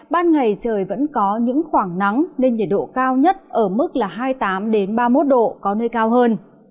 ban ngày trời vẫn có những khoảng nắng nên nhiệt độ cao nhất ở mức hai mươi tám ba mươi một độ có nơi cao hơn